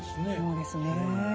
そうですね。